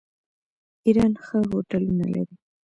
ایران ښه هوټلونه لري.